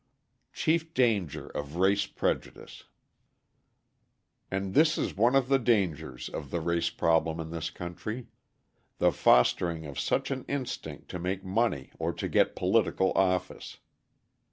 Chief Danger of Race Prejudice And this is one of the dangers of the race problem in this country the fostering of such an instinct to make money or to get political office.